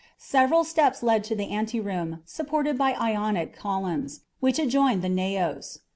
Several steps led to the anteroom, supported by Ionic columns, which adjoined the naos.